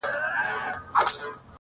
دا خو د بیت خبره وه